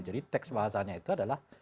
jadi teks bahasanya itu adalah